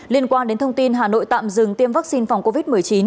liên quan đến thông tin hà nội tạm dừng tiêm vaccine phòng covid một mươi chín